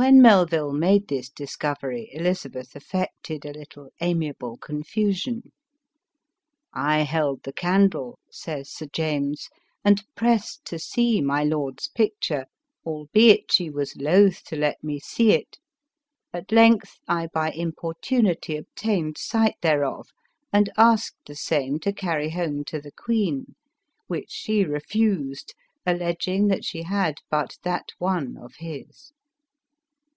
When Melville made this discovery, Elizabeth af fected a little amiable confusion. " I held the candle," says Sir James, " and pressed to see my lord's picture ; albeit she was loath to let me see it ; at length I by im portunity obtained sight thereof, and asked the same to carry home to the queen ; which she refused, alleging that she had but that one of his."